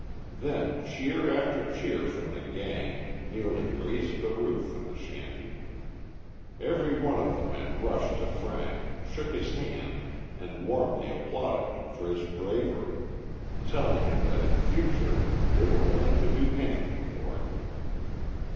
Then cheer after cheer from the "gang" nearly raised the roof from the shanty. Every one of the men rushed to Frank, shook his hand and warmly applauded him for his bravery, telling him that in future they were willing to do anything for him.